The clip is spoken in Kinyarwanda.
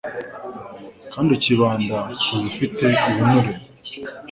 kandi ukibanda ku zifite ibinure.